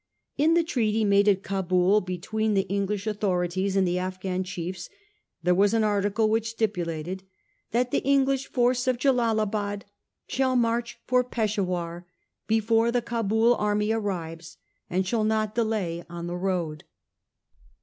In the treaty made at Cabul between the English authorities and the Afghan chiefs there was an article which stipu lated that 'the English force at Jellalabad shall march for Peshawur before the Cabul army arrives, and shall not delay on the road.